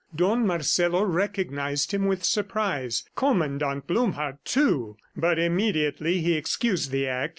Don Marcelo recognized him with surprise. Commandant Blumhardt, too! ... But immediately he excused the act.